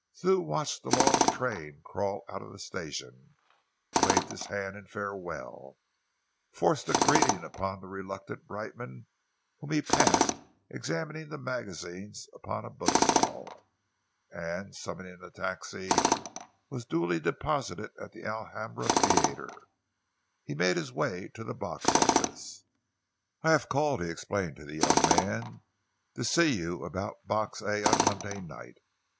Thew watched the long train crawl out of the station, waved his hand in farewell, forced a greeting upon the reluctant Brightman, whom he passed examining the magazines upon a bookstall, and, summoning a taxi, was duly deposited at the Alhambra Theatre. He made his way to the box office. "I have called," he explained to the young man, "to see you about Box A on Monday night.